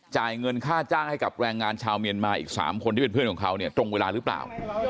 จ่ายเงินค่าจ้างให้กับแรงงานชาวเมียนมาอีก๓คนที่เป็นเพื่อนของเขาเนี่ยตรงเวลาหรือเปล่า